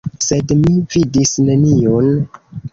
Sed mi vidis neniun.